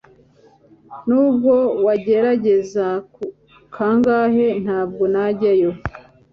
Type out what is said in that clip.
nubwo wagerageza kangahe ntabwo najyayo